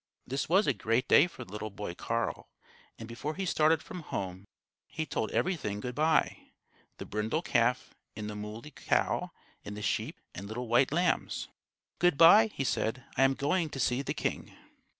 This was a great day for little boy Carl, and before he started from home he told everything goodbye, the brindle calf and the mooley cow and the sheep and little white lambs. "Good bye!" he said; "I am going to see the king."